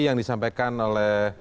yang disampaikan oleh